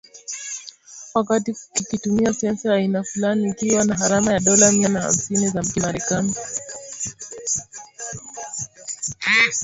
wakati kikitumia sensa ya aina fulani, ikiwa na gharama ya dola mia na hamsini za kimerekani